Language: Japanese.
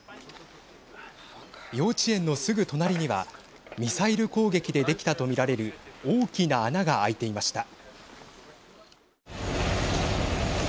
幼稚園のすぐ隣にはミサイル攻撃でできたと見られる大きな穴が開いていました。